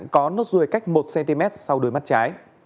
có nốt rùi cách một cm sau đôi mắt trái